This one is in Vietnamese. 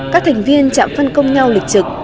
các thành viên chạm văn công nhau lịch trực